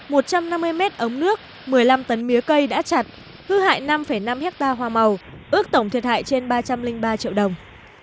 một trăm năm mươi mét ống nước một mươi năm tấn mía cây đã chặt hư hại năm năm hectare hoa màu ước tổng thiệt hại trên ba trăm linh ba triệu đồng